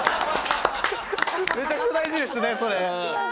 めちゃくちゃ大事ですねそれ。